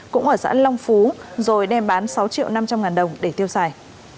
cũng ở xã long phú rồi đem bán sáu triệu năm trăm linh ngàn đồng để tiêu xài